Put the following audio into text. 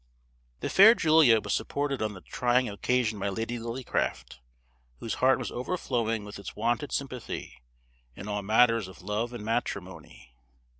The fair Julia was supported on the trying occasion by Lady Lillycraft, whose heart was overflowing with its wonted sympathy in all matters of love and matrimony.